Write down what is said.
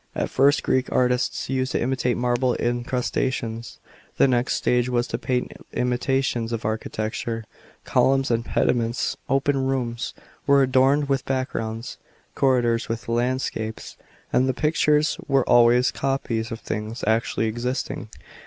At first Greek artists used to imitate marble incrustations ; the next stage was to paint imitations of architecture, columns and pediments. Open rooms were adorned with backgrounds, corridors with land scapes; and the pictures were always copies of things actually existing.